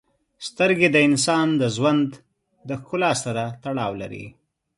• سترګې د انسان د ژوند د ښکلا سره تړاو لري.